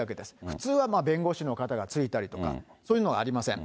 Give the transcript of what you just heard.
普通は弁護士の方がついたりとか、そういうのはありません。